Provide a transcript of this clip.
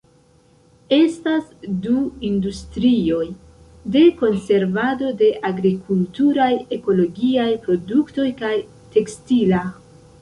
Estas du industrioj: de konservado de agrikulturaj ekologiaj produktoj kaj tekstila.